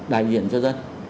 đại diện cho dân